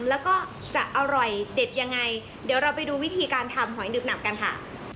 แล้วก็จะอร่อยเด็ดยังไงเดี๋ยวเราไปดูวิธีการทำหอยหนึบหนับกันค่ะ